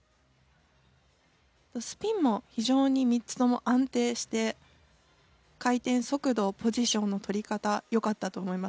スピンも非常に３つとも安定して回転速度ポジションの取り方良かったと思います。